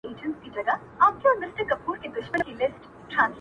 • خدای دي نه کړي مفکوره مي سي غلامه,